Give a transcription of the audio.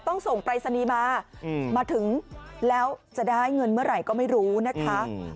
ส่งปรายศนีย์มามาถึงแล้วจะได้เงินเมื่อไหร่ก็ไม่รู้นะคะ